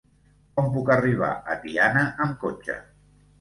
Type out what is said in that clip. Com puc arribar a Tiana amb cotxe?